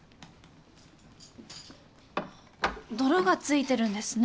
泥がついてるんですね。